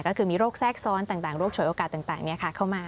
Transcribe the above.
ก็คือมีโรคแทรกซ้อนต่างโรคฉวยโอกาสต่างเข้ามา